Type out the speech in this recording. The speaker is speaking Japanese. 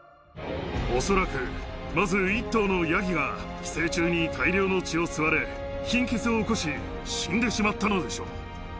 恐らく、まず１頭のヤギが寄生虫に大量の血を吸われ、貧血を起こし、死んでしまったのでしょう。